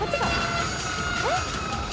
えっ⁉